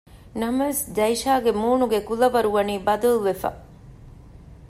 ނަމަވެސް ޖައިޝާގެ މޫނުގެ ކުލަވަރު ވަނީ ބަދަލުވެފަ